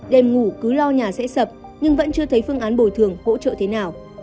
đêm ngủ cứ lo nhà sẽ sập nhưng vẫn chưa thấy phương án bồi thường hỗ trợ thế nào